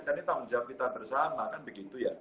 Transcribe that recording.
karena ini tanggung jawab kita bersama kan begitu ya